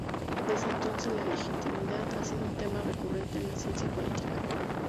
Desde entonces la legitimidad ha sido un tema recurrente en la Ciencia Política.